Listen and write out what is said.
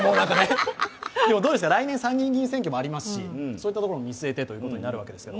来年、参議院選挙もありますしそういったところを見据えてとなるわけですけれども。